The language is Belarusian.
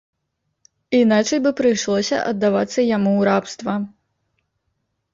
Іначай бы прыйшлося аддавацца яму ў рабства.